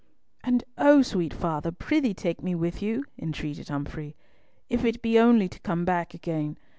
"And oh, sweet father! prithee take me with you," entreated Humfrey, "if it be only to come back again.